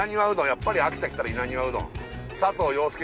やっぱり秋田来たら稲庭うどん。